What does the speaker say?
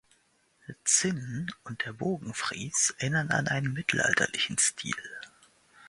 Zinnen und der Bogenfries erinnern an einen mittelalterlichen Stil.